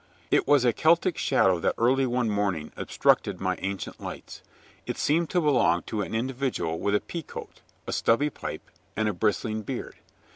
It was a Celtic shadow that early one morning obstructed my ancient lights. It seemed to belong to an individual with a pea coat, a stubby pipe, and bristling beard.